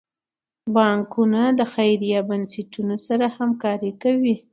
بانکونه د خیریه بنسټونو سره همکاري کوي.